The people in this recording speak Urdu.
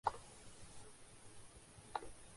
وہ سب ایران سے خوف زدہ کیوں ہیں؟